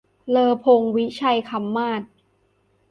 เลอพงศ์ วิชัยคำมาศ